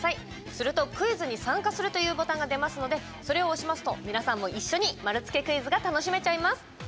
するとクイズに参加するというボタンが出ますのでそれを押しますと皆さんも一緒に丸つけクイズが楽しめちゃいます。